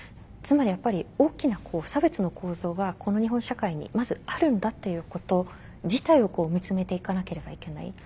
つまりやっぱり大きな差別の構造がこの日本社会にまずあるんだっていうこと自体を見つめていかなければいけない。